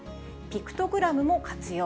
ピクトグラムも活用。